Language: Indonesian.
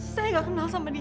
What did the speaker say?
saya nggak kenal sama dia